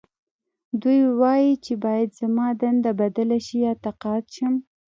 دوی وايي چې باید زما دنده بدله شي یا تقاعد شم